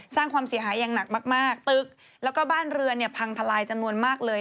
สร้างความเสียหายอย่างหนักมากตึกแล้วก็บ้านเรือนเนี่ยพังทลายจำนวนมากเลย